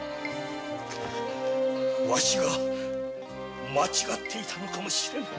ワシが間違っていたのかも知れぬ。